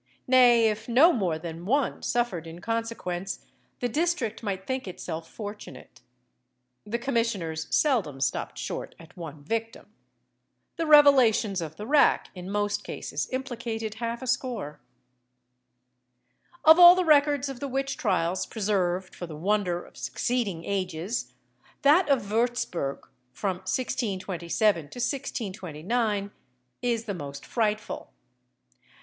Nay, if no more than one suffered in consequence, the district might think itself fortunate. The commissioners seldom stopped short at one victim. The revelations of the rack in most cases implicated half a score. [Illustration: BAMBERG.] Of all the records of the witch trials preserved for the wonder of succeeding ages, that of Würzburg, from 1627 to 1629, is the most frightful.